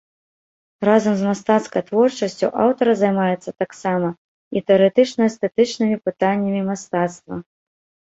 Разам з мастацкай творчасцю, аўтар займаецца таксама і тэарэтычна-эстэтычнымі пытаннямі мастацтва.